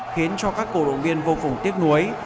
khiến cho các cổ động viên vô cùng tiếc nuối